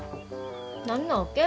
何なわけ？